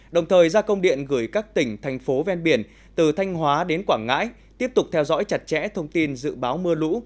đồng thời gia công điện gửi các tỉnh thành phố ven biển từ thanh hóa đến quảng ngãi tiếp tục theo dõi chặt chẽ thông tin dự báo mưa lũ